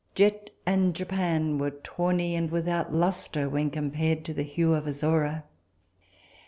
Jet and japan were tawny and without lustre, when compared to the hue of Azora.